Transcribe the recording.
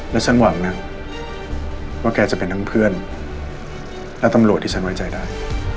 แล้วฉันหวังนะว่าแกจะเป็นทั้งเพื่อนและตำรวจที่ฉันไว้ใจได้